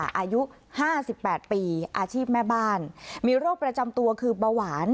อายุ๕๘ปีอาชีพแม่บ้านมีโรคประจำตัวคือเบาหวาน